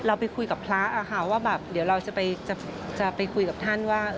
ไปคุยกับพระค่ะว่าแบบเดี๋ยวเราจะไปคุยกับท่านว่า